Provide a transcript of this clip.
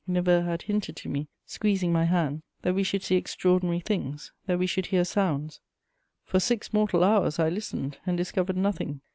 Neveu had hinted to me, squeezing my hand, that we should see extraordinary things, that we should hear sounds. For six mortal hours I listened and discovered nothing.